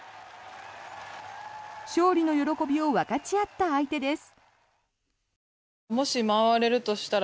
勝利の喜びを分かち合った相手です。